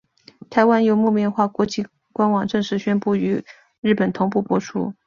台湾由木棉花国际官网正式宣布与日本同步播出。